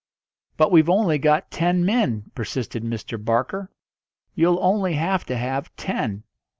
"But we've only got ten men," persisted Mr. Barker. "You'll only have to have ten.